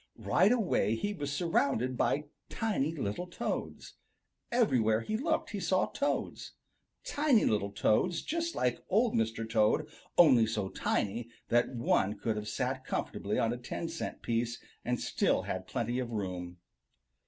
Right away he was surrounded by tiny little Toads. Everywhere he looked he saw Toads, tiny little Toads just like Old Mr. Toad, only so tiny that one could have sat comfortably on a ten cent piece and still had plenty of room.